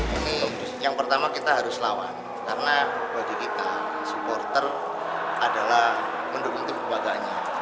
ini yang pertama kita harus lawan karena bagi kita supporter adalah mendukung tim keluarganya